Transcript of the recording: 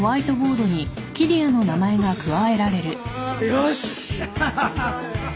よし！